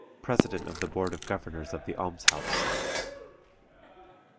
President of the Board of Governors of the Alms house.